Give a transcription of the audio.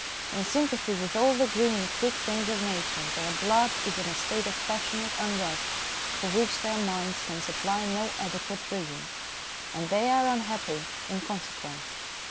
In sympathy with all the green, quick things of Nature, their blood is in a state of passionate unrest for which their minds can supply no adequate reason, and they are unhappy in consequence.